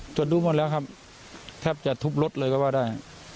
ตรวจดูหมดแล้วครับแทบจะทุบรถเลยก็ว่าได้